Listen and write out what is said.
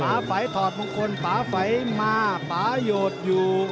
ไฝถอดมงคลป่าไฝมาป่าโหดอยู่